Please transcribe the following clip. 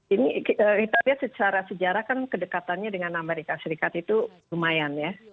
ini kita lihat secara sejarah kan kedekatannya dengan amerika serikat itu lumayan ya